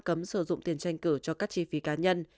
cấm sử dụng tiền tranh cử cho các chi phí cá nhân